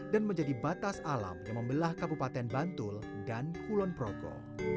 dan menjadi batas alam yang membelah kabupaten bantul dan kulon progo